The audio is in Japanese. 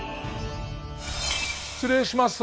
失礼します。